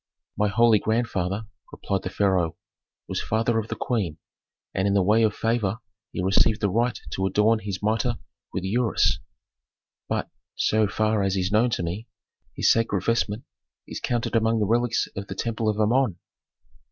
"My holy grandfather," replied the pharaoh, "was father of the queen, and in the way of favor he received the right to adorn his mitre with the ureus. But, so far as is known to me, his sacred vestment is counted among the relics of the temple of Amon."